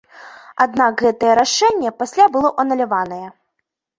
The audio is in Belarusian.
Аднак гэтае рашэнне пасля было ануляванае.